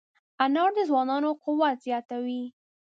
انار د ځوانانو قوت زیاتوي.